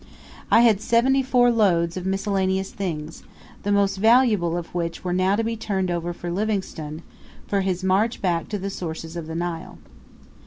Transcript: I had seventy four loads of miscellaneous things, the most valuable of which were now to be turned over to Livingstone, for his march back to the sources of the Nile.